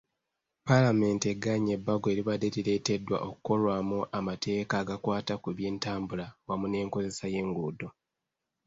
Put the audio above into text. Paalamenti egaanye ebbago eribadde lireeteddwa okukolwamu amateeka agakwata ku by'entambula wamu n'enkozesa y'enguudo.